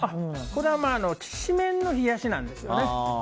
これはきしめんの冷やしなんですよ。